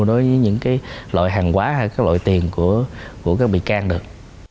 đối với những loại hàng quá hay loại tiền của các bị can được